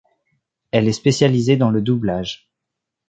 Elle est spécialisée dans le doublage.